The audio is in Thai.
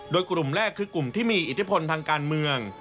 โดยกลุ่มแรกคือกลุ่มที่มีอิทธิพลทางการเมือง